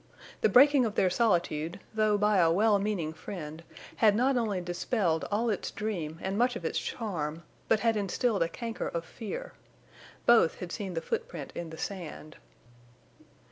The breaking of their solitude, though by a well meaning friend, had not only dispelled all its dream and much of its charm, but had instilled a canker of fear. Both had seen the footprint in the sand.